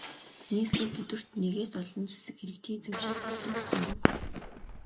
Нийслэлд өдөрт нэгээс олон зэвсэг иргэдийн эзэмшилд очсон гэсэн үг.